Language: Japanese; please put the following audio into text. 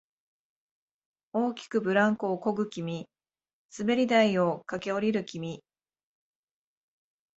大きくブランコをこぐ君、滑り台を駆け下りる君、